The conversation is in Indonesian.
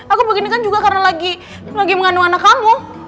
aku begini kan juga karena lagi mengandung anak kamu